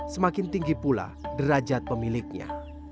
semakin tinggi pula derajat pemiliknya